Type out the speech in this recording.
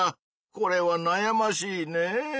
これはなやましいねぇ。